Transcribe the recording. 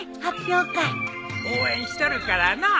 応援しとるからのう。